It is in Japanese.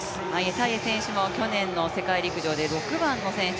タイエ選手も去年の世界陸上で６番の選手。